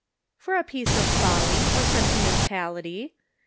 " For a piece of folly, or sentimentality.